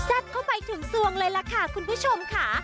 ัดเข้าไปถึงทรวงเลยละค่ะคุณผู้ชมข้า